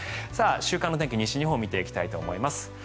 週間の天気、西日本を見ていきたいと思います。